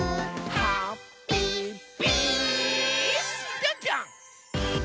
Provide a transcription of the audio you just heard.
ぴょんぴょん！